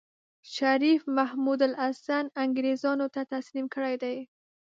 شريف محمودالحسن انګرېزانو ته تسليم کړی دی.